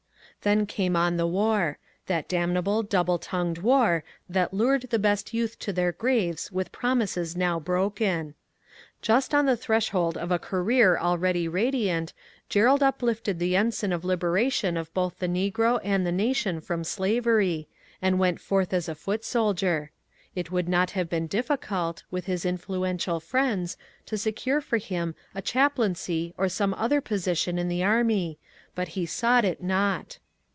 Then came on the war, — that damnable double tongued war that lured the best youth to their graves with promises now broken. Just on the threshold of a career already radiant Gerald uplifted the ensign of liberation of both the negro and the nation from slavery, and went forth as a foot soldier. It would not have been difficult, with his influential friends, to secure for him a chaplaincy or some other position in the army, but he sought it not.